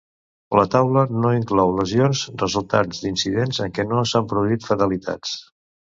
La taula no inclou lesions resultants d'incidents en que no s'han produït fatalitats.